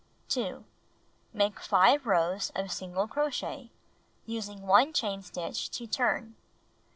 2. Make 5 rows of single crochet, using 1 chain stitch to turn.